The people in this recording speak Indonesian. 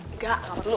enggak gak perlu